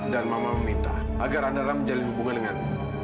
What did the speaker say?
dan mama meminta agar anda anda menjalin hubungan dengan